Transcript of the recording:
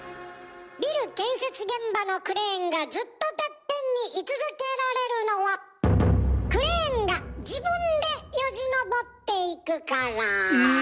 ビル建設現場のクレーンがずっとテッペンに居続けられるのはクレーンが自分でよじ登っていくから。